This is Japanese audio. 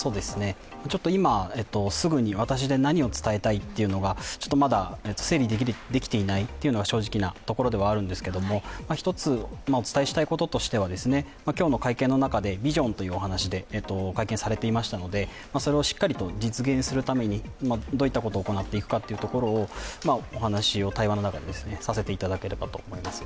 ちょっと今、すぐに私で何を伝えたいというのはまだ整理できていないというところなんですが１つお伝えしたいこととしては、今日の会見の中でビジョンというお話で会見されていましたのでそれをしっかりと実現するためにどういったことを行っていくかということをお話、対話の中でさせていただければと思います。